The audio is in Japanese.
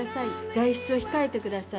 外出を控えてください。